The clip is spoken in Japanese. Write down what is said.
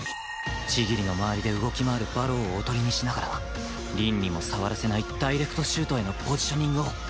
千切の周りで動き回る馬狼をおとりにしながら凛にも触らせないダイレクトシュートへのポジショニングを